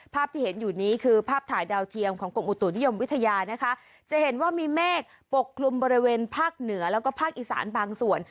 ภาพที่เห็นอยู่นี้คือภาพถ่ายดาวเทียมของกรมอุตุนิยมวิทยานะคะจะเห็นว่ามีเมฆปกคลุมบริเวณภาคเหนือแล้วก็ภาคอีสานบางส่วน